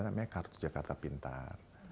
namanya kartu jakarta pintar